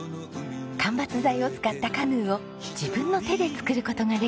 間伐材を使ったカヌーを自分の手で作る事ができます。